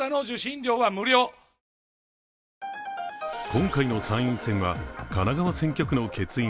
今回の参院選は神奈川選挙区の欠員